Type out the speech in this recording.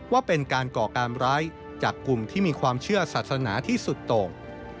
ว่าเป็นการก่อการร้ายจากกลุ่มที่มีความเชื่อศาสนาที่สุดตรง